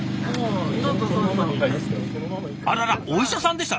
あららお医者さんでした？